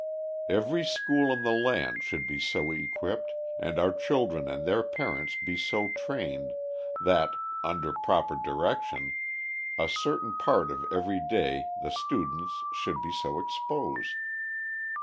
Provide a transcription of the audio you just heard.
Every school in the land should be so equipped, and our children and their parents be so trained, that, under proper direction, a certain part of every day the students could be so exposed.